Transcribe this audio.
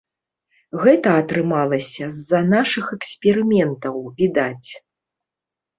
Гэта атрымалася з-за нашых эксперыментаў, відаць.